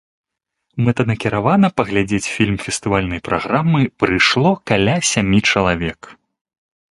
Мэтанакіравана паглядзець фільм фестывальнай праграмы прыйшло каля сямі чалавек.